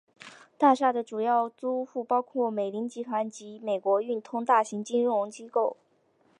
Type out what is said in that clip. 大厦的主要租户包括美林集团及美国运通大型金融机构。